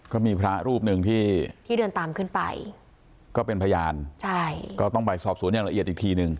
ก็มีพระรูปหนึ่งที่ที่เดินตามขึ้นไปก็เป็นพยานใช่ก็ต้องไปสอบสวนอย่างละเอียดอีกทีหนึ่ง